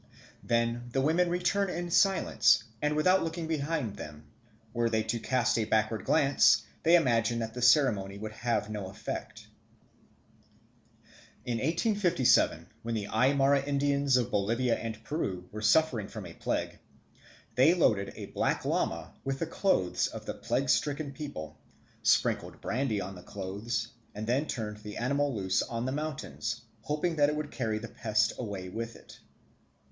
Then the women return in silence and without looking behind them; were they to cast a backward glance, they imagine that the ceremony would have no effect. In 1857, when the Aymara Indians of Bolivia and Peru were suffering from a plague, they loaded a black llama with the clothes of the plague stricken people, sprinkled brandy on the clothes, and then turned the animal loose on the mountains, hoping that it would carry the pest away with it.